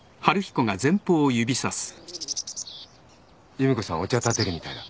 夕美子さんお茶たてるみたいだ。